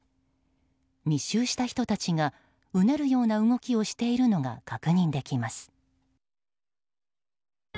密集した人たちがうねるような動きをしているのが確認できます。